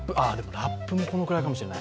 ラップもこのくらいかもしれない。